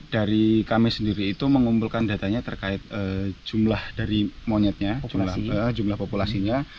dari kami sendiri itu mengumpulkan datanya terkait jumlah dari monyetnya jumlah populasinya